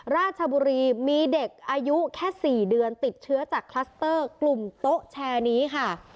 ราชบุรีมีเด็กอายุแค่๔เดือนติดเชื้อจากคลัสเตอร์กลุ่มโต๊ะแชร์นี้ค่ะ